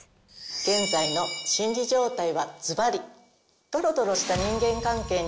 現在の心理状態はズバリ。